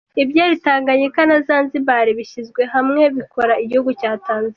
Ibyari Tanganyika na Zanzibar byishyizwe hamwe bikora igihugu cya Tanzania.